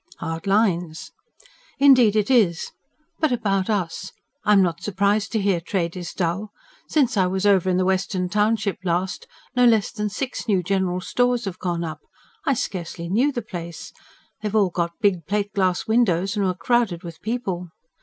"Hard lines!" "Indeed it is. But about us; I'm not surprised to hear trade is dull. Since I was over in the western township last, no less than six new General Stores have gone up I scarcely knew the place. They've all got big plate glass windows; and were crowded with people."